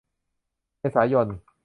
เมษายน